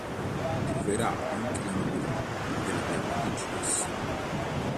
Troverà anche l'amore della bella Principessa.